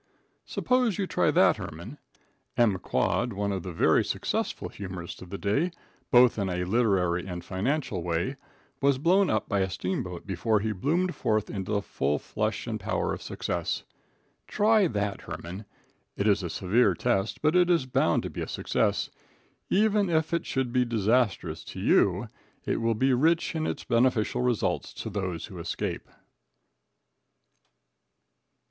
Suppose you try that, Herman. M. Quad, one of the very successful humorists of the day, both in a literary and financial way, was blown up by a steamboat before he bloomed forth into the full flush and power of success. Try that, Herman. It is a severe test, but it is bound to be a success. Even if it should be disastrous to you, it will be rich in its beneficial results to those who escape.